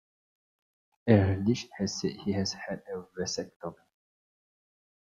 Ehrlich has said he has had a vasectomy.